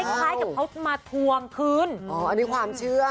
คล้ายกับเขามาทวงคืนอ๋ออันนี้ความเชื่อ